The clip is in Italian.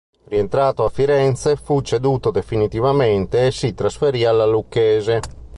Rientrato a Firenze, fu ceduto definitivamente e si trasferì alla Lucchese.